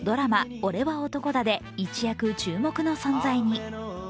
「おれは男だ！」で一躍注目の存在に。